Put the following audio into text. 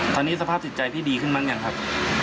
ตอนนี้สภาพสิทธิใจที่ดีขึ้นมั้งอย่างครับ